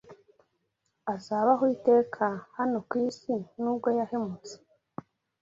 Azabaho iteka hano ku isi nubwo yahemutse